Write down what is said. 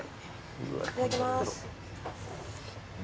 いただきます。